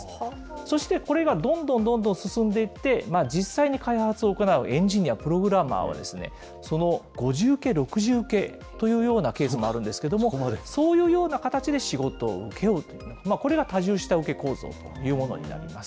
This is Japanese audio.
そして、これがどんどんどんどん進んでいって、実際に開発を行うエンジニア、プログラマーはその５次請け、６次請けというケースもあるんですけれども、そういうような形で仕事を請け負うという、これが多重下請け構造というものになります。